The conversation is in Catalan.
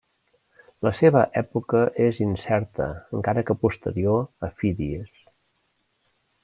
La seva època és incerta encara que posterior a Fídies.